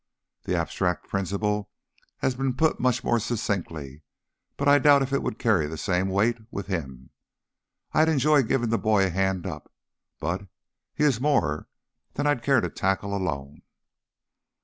The abstract principle has been put much more succinctly, but I doubt if it would carry the same weight with him. I'd enjoy giving the boy a hand up, but he is more than I'd care to tackle alone."